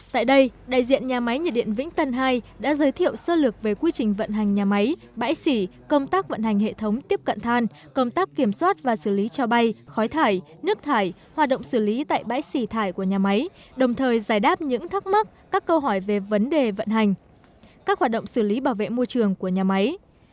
tại đây đại diện nhà máy nhiệt điện vĩnh tân ii đã giới thiệu sơ lực về quy trình vận hành nhà máy bãi xỉ công tác vận hành hệ thống tiếp cận than công tác kiểm soát và xử lý cho bay khói thải nước thải hoạt động xử lý tại bãi xỉ thải của nhà máy đồng thời giải đáp những thắc mắc các câu hỏi về vấn đề vận hành các hoạt động xử lý bảo vệ môi trường của nhà máy